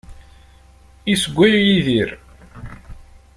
Issewway Yidir.